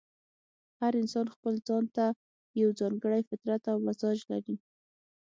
هر انسان ځپل ځان ته یو ځانګړی فطرت او مزاج لري.